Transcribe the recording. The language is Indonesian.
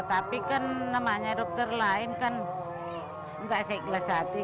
tapi kan namanya dokter lain kan enggak seiklas hati